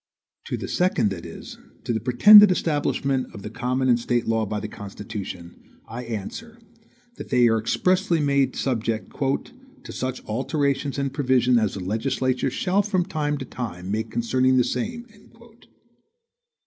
To the second that is, to the pretended establishment of the common and state law by the Constitution, I answer, that they are expressly made subject "to such alterations and provisions as the legislature shall from time to time make concerning the same."